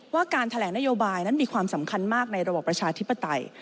ว่าการแถลงนโยบายนั้นมีความสำคัญมากในระบบประชาธิปไตย